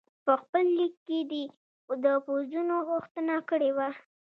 په خپل لیک کې دې د پوځونو غوښتنه کړې وه.